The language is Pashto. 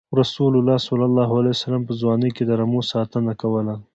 رسول الله ﷺ په ځوانۍ کې د رمو ساتنه یې کوله.